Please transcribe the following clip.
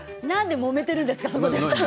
なんで、もめているんですか？